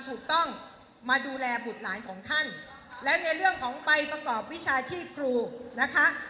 ถูกต้องมาดูแลบุตรหลานของท่านและในเรื่องของใบประกอบวิชาชีพครูนะคะ